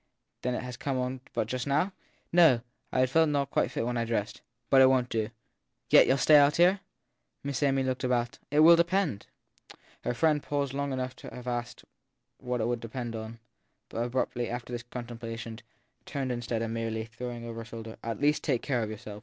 Then it has come on but just now ? No I felt not quite fit when I dressed. But it won t do. Yet you ll stay out here ? Miss Amy looked about. It will depend ! Her friend paused long enough to have asked what it would depend on, but abruptly, after this contemplation, turned instead and, merely throwing over her shoulder an At least 266 THE THIRD PERSON take care of yourself